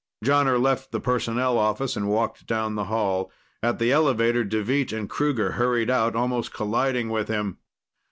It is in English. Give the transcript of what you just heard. Jonner left the personnel office and walked down the hall. At the elevator, Deveet and Kruger hurried out, almost colliding with him.